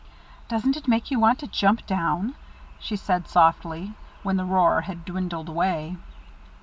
"Doesn't it make you want to jump down?" she said softly, when the roar had dwindled away.